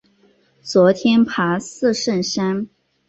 昨天爬四圣山